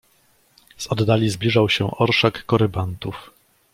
"Z oddali zbliżał się orszak korybantów."